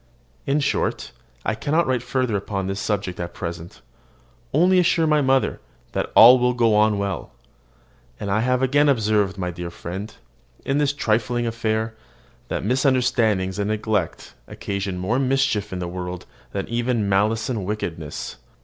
In short, I cannot write further upon this subject at present; only assure my mother that all will go on well. And I have again observed, my dear friend, in this trifling affair, that misunderstandings and neglect occasion more mischief in the world than even malice and wickedness.